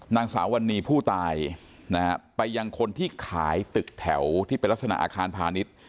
นางสาววันนี้ผู้ตายนะฮะไปยังคนที่ขายตึกแถวที่เป็นลักษณะอาคารพาณิชย์